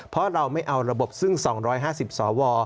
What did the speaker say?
เพราะเราไม่เอาระบบซึ่ง๒๕๐สว